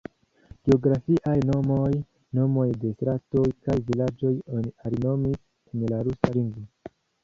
Geografiaj nomoj, nomoj de stratoj kaj vilaĝoj oni alinomis en la rusa lingvo.